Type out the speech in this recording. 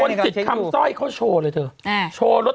มณศิษณ์ขำสร้อยเขาช่วงเลยเลยโทรครับ